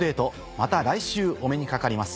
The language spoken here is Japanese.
また来週お目にかかります。